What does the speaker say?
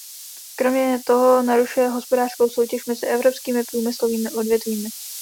Kromě toho narušuje hospodářskou soutěž mezi evropskými průmyslovými odvětvími.